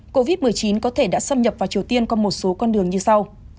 covid một mươi chín có thể đã xâm nhập vào triều tiên qua một số con đường như sau